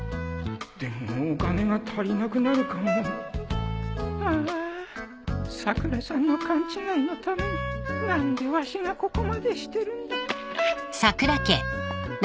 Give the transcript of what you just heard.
でもお金が足りなくなるかもハァさくらさんの勘違いのために何でわしがここまでしてるんだ。